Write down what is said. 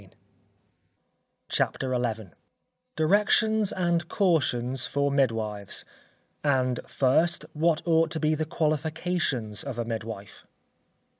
CHAPTER XI _Directions and Cautions for Midwives; and, first, what ought to be the qualifications of a midwife.